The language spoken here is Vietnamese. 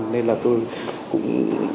nên là tôi cũng